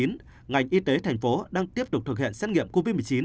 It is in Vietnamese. ngành y tế thành phố đang tiếp tục thực hiện xét nghiệm covid một mươi chín